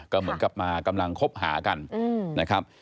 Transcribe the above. ก็เหมือนกับมากำลังคบหากันนะครับ